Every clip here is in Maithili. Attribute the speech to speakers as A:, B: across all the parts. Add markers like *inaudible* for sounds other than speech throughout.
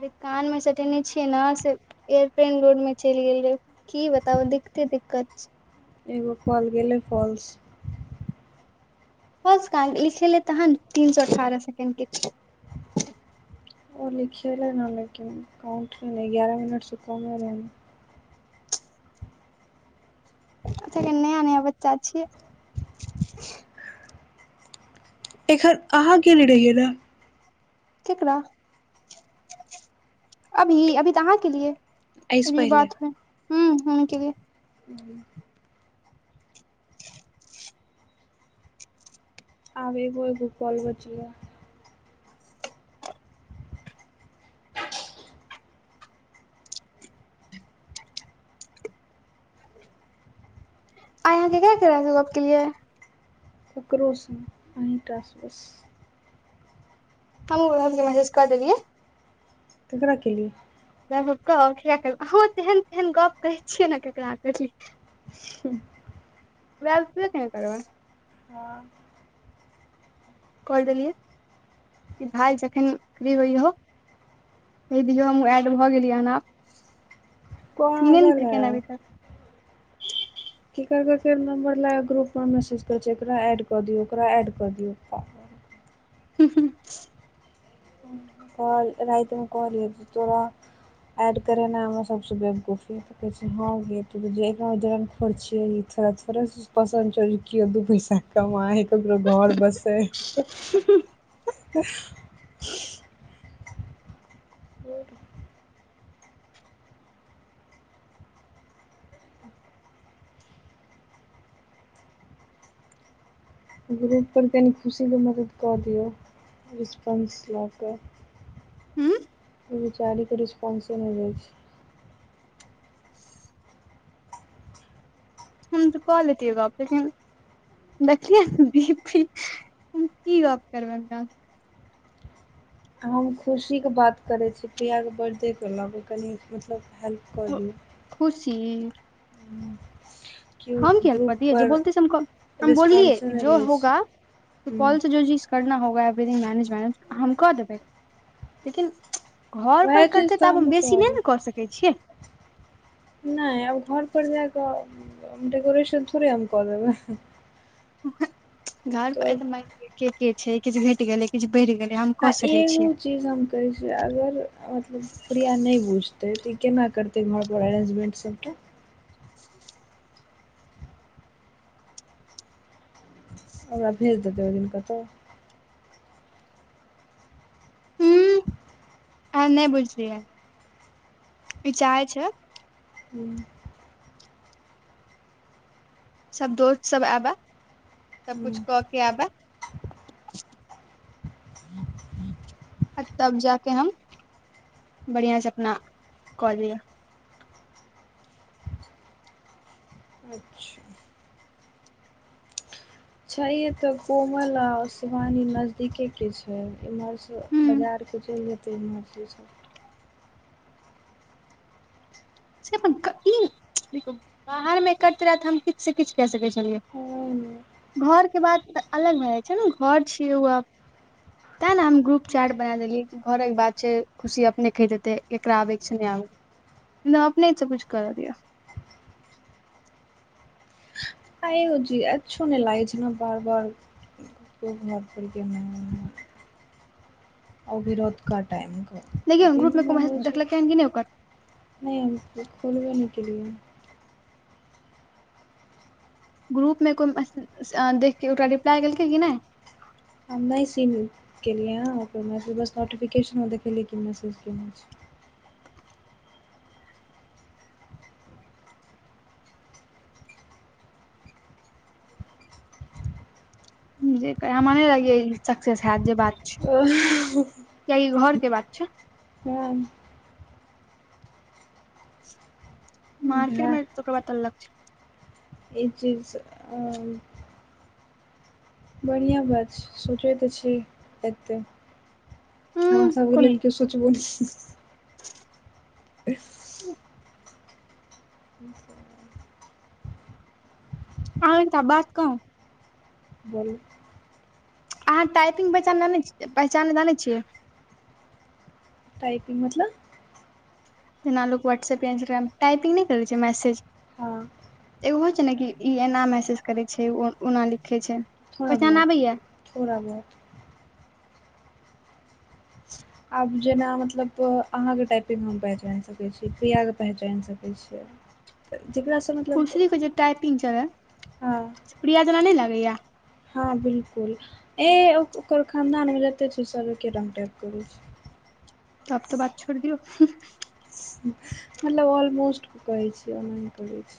A: अरे कान मे सटेने छियै न से एयरप्लेन रोड मे चैल गेलै की बताउ दिक्कते- दिक्कत छैय
B: एगो फॉल गेलै फॉल्स
A: फलस काहाँ लीखेलै तहन तीन सए अठारह सेकेण्ड के छैय
B: ओ लिखेलय न ले किन काउणट ले नै एगारह मिनटसँ कोमे रहै ने
A: अच्छ एखन नया -नया बच्चा छियै
B: एखन अहाँ केने रहियै न
A: केकरा अभी -अभी त आहाँ के
B: एहिसँ
A: लियै
B: पहिले
A: बातमे हु हम ही के लियै *unintelligible*
B: *inaudible* आब एगो -एगो कॉल बचलै या
A: आइ अहाँ केकरा केकरा स गप केलियैय
B: ककरो स नै अहिटा स बस।
A: हमहु आबि के मैसेज कऽ देलियै।
B: केकरा केलियै
A: *unintelligible* तेहन तेहन गप कहै छियै ने केकरा कहि *unintelligible* नैय करबै
B: हँ
A: कय देलियै कि भाय जखैन फ्री होइ हो कहि दियौ हमहुं एड भऽ गेलियै हन आब तीने दिन
B: पागल
A: पर
B: है
A: केने रहै
B: केकर केअर नम्बर लए कऽ ग्रुपमे मैसेज करै छै एकरा एड कऽ दियौ ओकरा एड कऽ दियौ। काॅल राइतिमे कहलियै जे तोरा एड करेनाइ सब से बेबकूफी यै, कहै छै हँ गई *unintelligible* सर *unintelligible* पसन्द छै जे केओ, दू पैसा कमाइ ककरो घर बसै *inaudible* *inaudible* ग्रुप पर कनि खुशीके मदद कऽ दियौ रिस्पॉन्स लऽ कऽ
A: हूँ
B: ऐ बेचारीके रिस्पॉन्से नै दै छै
A: हम त‌ऽ कऽ लेतियै गप लेकिन देखलिये ई पी हम की गप करबनि हुनका
B: हम खुशीक बात करै छी प्रिया क बर्थडेके लऽ कऽ कनि मतलब हेल्प कऽ
A: सँ।
B: दीयौ
A: खुशी
B: हूँ
A: हम किया ने पैरतियै जे बोलते हम बोललियै
B: रिस्पॉन्से
A: कि
B: नहि
A: जो
B: लै छै
A: होगा
B: हुँ
A: सुपॉल से जो जिस *unintelligible* करना होगा एवरी मैनेज मैनेज हम कऽ देबै लेकिन घर पर
B: वएह चीज
A: करतै तऽ आब हम
B: हमहूँ
A: बेसी नै
B: कहलियै
A: ने कऽ सकै छियै
B: नै आब घर पर जाकऽ डेकोरेशन थोड़े हम कऽ देबाय
A: घर पर मैन लियऽ के के छै किछु घटि गेलै किछ बढ़ि गेलै हम
B: आ
A: कऽ सकै
B: एगो
A: छियै
B: चीज हम कहै छै अगर मतलब प्रिया नै बुझतै तऽ ई केना करतै घर दु अरेंजमेन्ट सबटा ओकरा भेज देतै ओहि दिन कतौ
A: अहाँ नै बुझलियै ई चाहै छै
B: हूँ
A: सब दोस्त सब आबए सब कुछ कऽ के आबए आ तब जाके हम बढ़ियां से अपना क लिअ
B: अच्छा छैय एतऽ कोमल आ शिवानी नजदीके के छै इम्हर से
A: हूँ
B: बजार कियो चलि जेतै एमहर से सब
A: से अपन ई देखु, बाहरमे करैत रहा त हम किछु से किछु कय सकै छलियै घर के बात तऽ अलग भए जाइ छै ने घर छियै ओ आब। तें ने हम ग्रुप चाट बना देलीयै कि घरक बात छै खुशी अपने कहि देते एकरा आबे के छै नै आबे न अपने स किछ करऽ दियऽ
B: आइ यो जी अच्छों नै लागै छै न बार बार खूब भात खेलकै ने आ ओ रोतका टाइम के *unintelligible*
A: देखियौ ग्रुप मे कोइ देखलक हें कि नै ओकर
B: नै हमक खोलबे नै केेलिए
A: ग्रुप मे को मैसे देखके ओकरा रिप्लाई केलकै की नै
B: हम नै सी केलिय हँ ओकर मैसज बस नोटिफिकेशन मे देखीये कि ओ मैसेज केने छै
A: जे करी हमर नै लगियै सक्सेस हयत जे बात
B: ओ
A: कीयाकी ई घर के बात छै
B: हाम *unintelligible* भए
A: मारकेटमे ओकर बत अलग छै
B: ई चीज स अऽऽ बढ़िया बात छै सोचै तऽ छी एतै
A: हूं
B: हमरा सबके
A: कोन
B: लेल से सोचबो नै
A: *inaudible*
B: ह *unintelligible*
A: तूँ
B: ह *unintelligible*
A: आहाँ एकटा बात कहू
B: *unintelligible*
A: अहाँ टाइपिंग *unintelligible* पहचान जाने छियै
B: टाइपिंग मतलब
A: जेना लोक व्हाट्सप इन्स्टाग्राम टाइपिंग नइ करै छै मैसेज
B: हँ
A: एगो होय छै न कि ई एना मैहसेज करै छै ऊ ओना लिखै छै
B: थोड़ा
A: पहचान
B: बहुत
A: आबैया
B: थोड़ा बहुत आब जेना मतलब अहाँके टाइपिंग हम पहचानि सकैत छी प्रियाके पहचानि सकै छियै जेकरा सं
A: खुशी के जे टाइपिंग छले
B: हँ
A: प्रिया जेना नै लागे या
B: हँ बिलकुल ए ओकर खानदानमे जते छै सभ एके रंग टाइप करै छै
A: तब तऽ बात छोड़ दिऔ हूं
B: मतलब ऑलमोस्ट कहै छी ऑनलाइन करै छी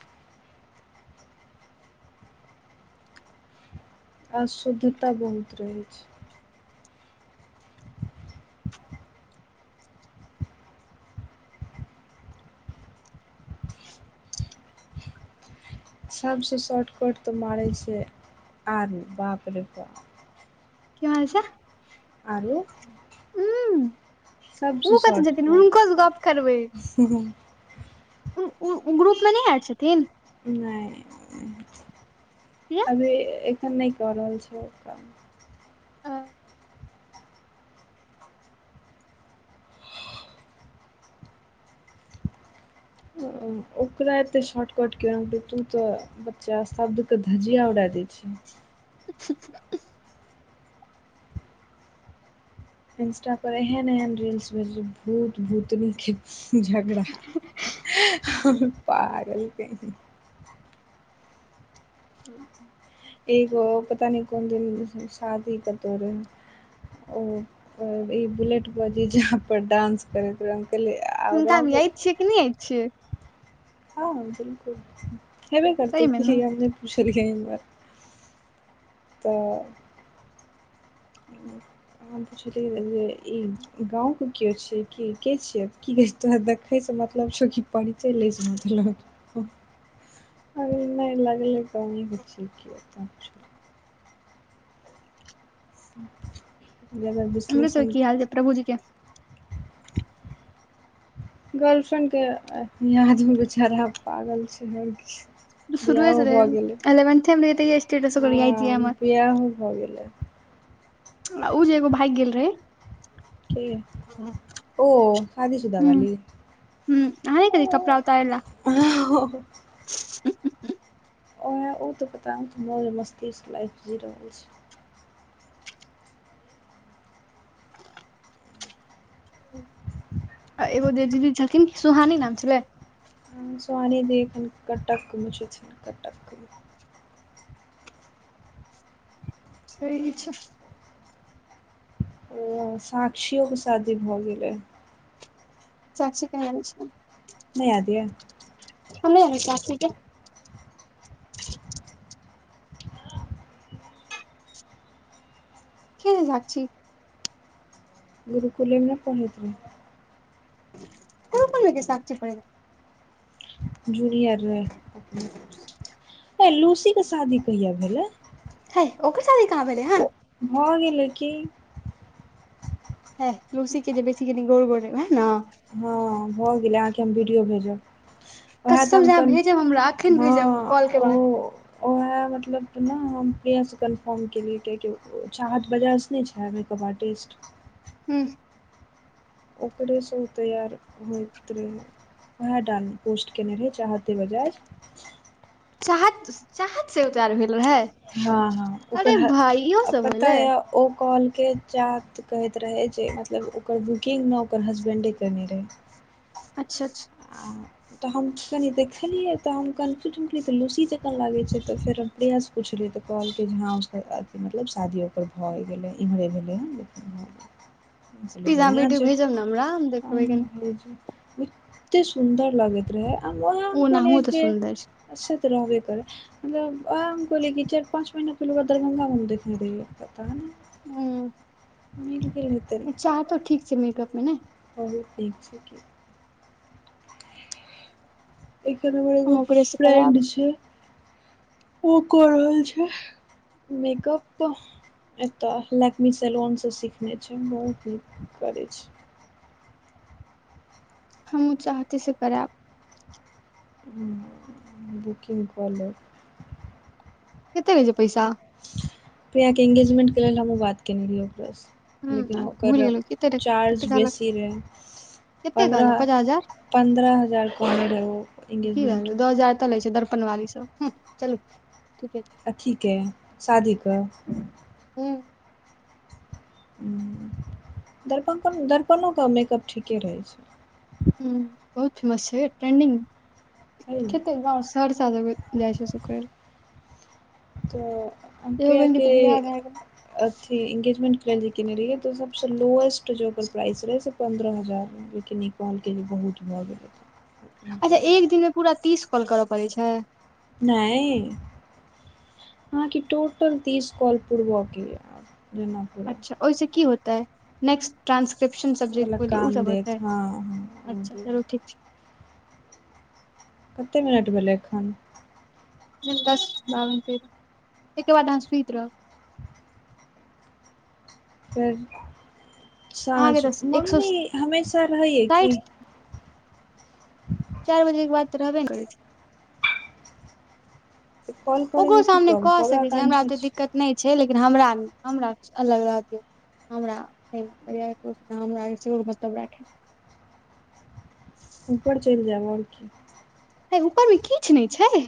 B: अऽ शुद्धता बहुत रहे छै सबसँ शॉर्टकट तऽ मारै छै *unintelligible* आरनु बाप रे बाप
A: की हाल छै
B: आरले
A: हुँ ऊ कतऽ जेथिन
B: शॉर्टकट
A: हुनकोसँ गप करबै ऊ ऊ ग्रुप मे नय एड छथिन
B: नय
A: प्रिया
B: अभी एखन नइ कऽ रहल छै काम ओकरा एतै शॉर्टकट के अंते तू त बच्चा शब्दक धजिया उड़ा दै छै
A: *unintelligible*
B: इंस्टा पर एहन एहन रील्स *unintelligible* भूत भूतनीके झगड़ा पागल कहीं एगो पता नइ कोन दिन शादी कतो रहे ओ ई बुलेट प जीजा पर डानंस करैत रहै के *unintelligible* आओर रहबो
A: छिकने आर छिय
B: हँ बिलकुल हेबे
A: सही
B: करतै
A: मे
B: कि
A: ने
B: *unintelligible* हम पुछलिय जे ई गाँवके केओ छै की के छियै की कह तोरा देखै स मतलब छै की परिचय ले स मतलब *unintelligible* जे अगर विश्लेषण
A: अजे प्रभुजी के
B: गर्लफ्रेंड के यादमे बेचारा पागल छै ओरकी
A: सुरूये से रहे एलवन्थे मे रहिये तहिये स्टेटस ओकर यैदय
B: हँ
A: हमर
B: बियाहो भऽ गेलै
A: आ उजे एगो भाइग गेल रहै
B: ओ शादी सुदा
A: हुं
B: वाली
A: *unintelligible*
B: *unintelligible*
A: *unintelligible*
B: एह ऊ तऽ पता नइ मौज मस्तीसँ लाइफ जी रहल छै
A: आ एगो जे दीदी छलखिन सुहानी नाम छलै
B: सारी देखन कटक मऽ सँ छै कटक
A: सही छै
B: ओ साक्षियो कऽ शादी भऽ गेलै
A: चाची केहेन छै
B: नय याद यऽ
A: *unintelligible* चाचीकेँ केँ हेय साक्षी
B: गुरुकुलेमे नय पढ़ैत रहै
A: गुरुकुल मे केँ सााक्षी पड़ै
B: जूनियर रहे अप सबसे बैय लूसी केँ शादी कहिया भेलै
A: है ओकर साादी कहाँ भेलै हँ
B: भऽ गेलै की
A: है लुसी केँ जे बेची कनि गोर गोर देर नऽ
B: हँ भऽ गेलै अहाँकेँ हम वीडियो भेजब ओहै तऽ
A: कसम
B: हम
A: से अहाँ
B: कन
A: भेजब हमरा अखन
B: हँ
A: भेजब कॉल के
B: ओ
A: बाद
B: ओहै मतलब तऽ नऽ हम प्रियासँ कन्फर्म केलियै कियकि ओ चाहत वजाज नय छै मेकअप आर्टिस्ट
A: हुँ
B: ओकरे सँ उ तैयार होइत रहे ओहै डालने पोस्ट केने रहै चाहते बजाज
A: चाहत चाहत से आ तैयार भेल रहै
B: हँ हँ ओकर
A: अरे
B: ह
A: भाई इहो
B: - आ
A: सब
B: पता
A: होलै
B: यऽ ओ कहकेँ चाहत कहैत रहै जे मतलब ओकर बुकिंग नऽ ओकर हसबैंडे केने रहै
A: अच्छऽ अच्छऽ
B: आ तऽ हम कनि देखलियै तऽ हम कंज्यूजन तऽ कहलियै लूसी जकाँ लागै छै तऽ फेर हम प्रिया सँ पुछलीयै तऽ कहलकै जे हँ अथी मतलब शादी ओकर भऽ गेलै इम्हरे भेलै हँ लेकिन भऽ गेलै हम कहलिये
A: प्लीज अहाँ
B: बढ़िया
A: वीडियो
B: छै
A: भेजब ने हमरा हम देखबै कनि
B: *unintelligible* एतेक सुन्दर लगैत रहै आ वएह हम
A: ओ
B: कहलियै
A: ओनाहुओ तऽ
B: जे
A: सुन्दर छै
B: से तऽ रहबे करै मतलब ओहै हम कहलियै की चाइर पाँच महिना पहिले ओकरा दरभंगा मऽ हम देखने रहियै पता नय
A: हुँ
B: मिल गेल हे
A: नय चाहतो ठीक छै मेकअप मे नय
B: तबो ठीक छै की देखझयो नऽ हमर एगो
A: हम ओकरे से करायब
B: फ्रेंड छै उ कऽ रहल छै मेकअप कऽ एतऽ लक्मी सलोन सँ सीखने छै बहुत नीक करै छै
A: हमहुँ चाहते सँ करैब
B: हुँ बुकिंग कऽ लेब
A: केते लैय छै पैसा
B: प्रिया केँ इंगेजमेंट केँ लेल हमहुँ बात केने रहियै ओकरे सँ लेकिन
A: ह भूलि
B: ओकर
A: गेलौ कते रह
B: चार्ज
A: कते कहलक
B: बेसी रहै
A: कते कहलक
B: पन्द्रह
A: पचास हजार
B: पन्द्रह हजार कहने रहैय उ इंगेजमेंट
A: एतऽ लै छै दर्पन वाली सब हुँ चलू ठीके छै।
B: अथी कऽ शादी कऽ
A: हू
B: दर्प दर्पणोके मेकअप ठीके रहे छै।
A: हा बहुत फेमस छै ट्रेंडिंग
B: है ने
A: खेते गाव सर साद जाइ छै सुकल
B: तऽ
A: लए एगो
B: अंपिय
A: बहिन
B: के
A: तऽ बियाह भए गेल
B: अथी एंगेजमेंट जी कने रहियै तो सभसँ लोएस्ट ज ओकर प्राइस रहै से पन्द्रह हजार क न देखालके लिए बहुत मज हो छै
A: अच्छा एक दिनमे पूरा तीस कॉल करय पड़ैत छै।
B: नई हा कि टोटल तीस कॉल पूरबक य। जेना पूरा
A: अच्छा ओहिसँ कि होतै? नेक्स्ट ट्रानंसक्रिप्शन
B: वला
A: सब्जेक्टके लिए ओ
B: काम
A: सभ
B: देत
A: होतै।
B: हँ हँ ओ
A: अच्छा चलू
B: देत
A: ठीक छै।
B: कते मिनट भेले एखन?
A: दस बाबन फेर एकरा बाद अहाँ सुत रहब।
B: फेर
A: अहाँके
B: साझ
A: तऽ एक सए
B: मम्मी हमेशा रहैयै कि?
A: साठि चार बजे बाद तऽ रहबै ने करे
B: कॉल
A: ओकरो
B: करैमे की
A: सामने
B: प्रॉब्लम
A: कहऽ
B: कहबै
A: सकै छै हमरा
B: आकांक्षा
A: त
B: छै
A: दिक्कत नहि छै लेकिन हमरा हमरा अलग रहते। हमरा मतलब यौ हमरा मतल राखे।
B: ऊपर चलि जाब आ कि
A: हय ऊपर मे किछु नहि छै।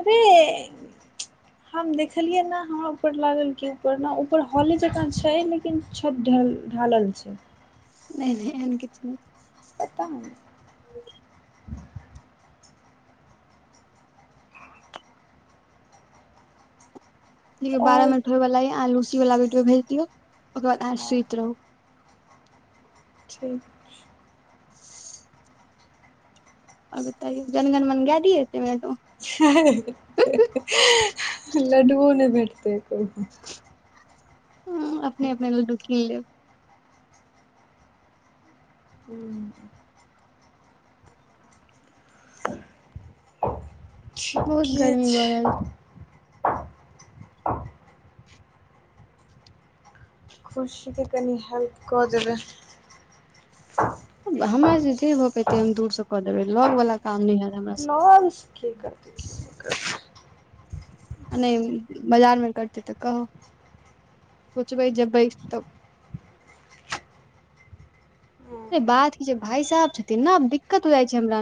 B: अरे ए हम देखलियै ने हमरा ऊपर लागल कि ऊपर ने ऊपर हॉले जका छै। लेक किन छत ढालल छै।
A: नहि नहि एहन कि किछ नहि।
B: खतम।
A: बारह
B: आओर
A: मिनट होय वाला हय लूसी वाला वीडियो मे भेज दियऔ ओकर बाद अहाँ सुइत रहु।
B: ठीक
A: स आओ बताइय जनगन मन गा दिय एतै मे तो।
B: हा हा लड्डुओ नहि भेटते कोइ।
A: हैं अपने अपने लड्डू कीन लेब।
B: ह
A: बहुत
B: ठीके
A: गर्मी बढ़ल
B: छै
A: रहल
B: खुशी के कनि हेल्प क देबै।
A: हमर जे हो पेते हम दूर से कऽ देबै लग बला काम न हत
B: नै से कि करतय कि नय करतय
A: आ नहि बाजार मे करते तऽ कहु। सोचबै जे बैठ कऽ बात कि छै भाय साहेब छथिन ना। तऽ आब दिक्कत हो जाइ छै हमरा।